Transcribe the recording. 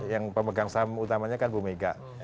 yang pemegang saham utamanya kan bumega